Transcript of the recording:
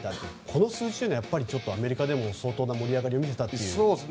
この数字はアメリカでも相当な盛り上がりを見せたと。